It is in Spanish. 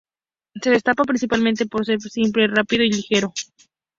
Se destaca principalmente por ser simple, rápido y ligero.